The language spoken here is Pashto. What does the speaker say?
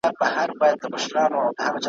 بوه لور ورته ناروغه سوه او مړه سوه ,